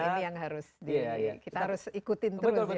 nah ini yang harus di kita harus ikutin terus ya